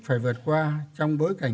phải vượt qua trong bối cảnh